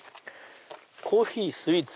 コーヒースイーツ。